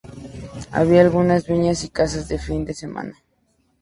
Había algunas viñas y casas de fin de semana.